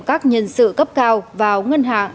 các nhân sự cấp cao vào ngân hàng